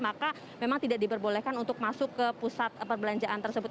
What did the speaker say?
maka memang tidak diperbolehkan untuk masuk ke pusat perbelanjaan tersebut